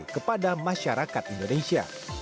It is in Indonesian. kepada masyarakat indonesia